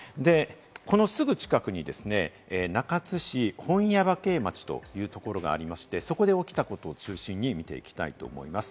このすぐ近くに中津市本耶馬渓町というところがありまして、そこで起きたことを中心に見ていきます。